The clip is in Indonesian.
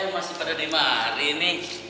masih pada dimari nih